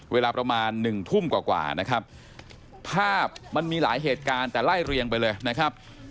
เวลาประมาณหนึ่งทุ่มกว่านะครับภาพมันมีหลายเหตุการณ์แต่ไล่เรียงไปเลยนะครับ